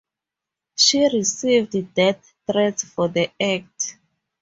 She received death threats for the act.